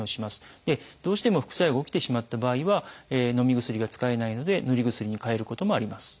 どうしても副作用が起きてしまった場合はのみ薬が使えないのでぬり薬にかえることもあります。